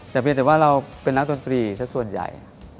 แต่เพียงแต่ว่าเราเป็นนักดนตรีสักส่วนใหญ่